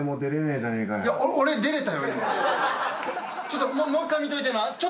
ちょっともう１回見といてな。